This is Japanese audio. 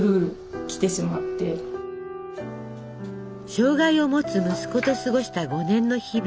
障害を持つ息子と過ごした５年の日々。